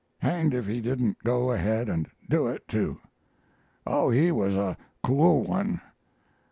Hang'd if he didn't go ahead and do it, too! Oh, he was a cool one!